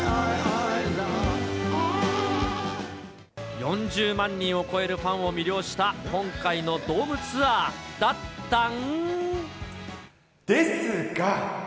４０万人を超えるファンを魅了した今回のドームツアーだったん。